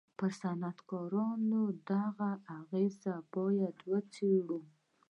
پر صنعتکارانو د هغه اغېز بايد و څېړو.